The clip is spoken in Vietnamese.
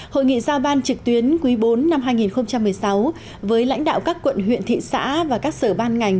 hội nghị giao ban trực tuyến quý bốn năm hai nghìn một mươi sáu với lãnh đạo các quận huyện thị xã và các sở ban ngành